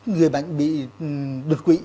người bệnh bị đột quỵ